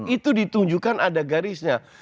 itu ditunjukkan ada garisnya